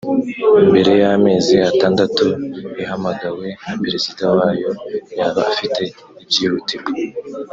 mbere y’amezi atandatu ihamagawe na perezida wayo yaba afite ibyihutirwa